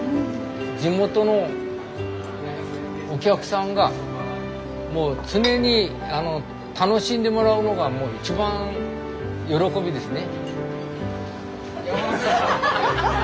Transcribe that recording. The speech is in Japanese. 地元のお客さんがもう常に楽しんでもらうのがもう一番喜びですね。